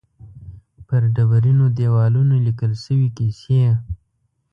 پر ډبرینو دېوالونو لیکل شوې کیسې.